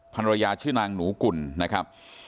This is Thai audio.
ภรรยาชื่อนางหนูกุ่นนะครับ